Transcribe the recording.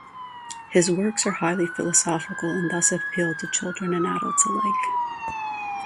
His works are highly philosophical and thus appeal to children and adults alike.